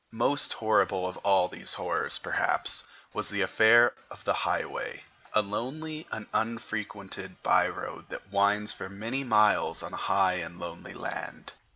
Most horrible of all these horrors, perhaps, was the affair of the Highway, a lonely and unfrequented by road that winds for many miles on high and lonely land.